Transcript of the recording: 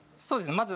そうですね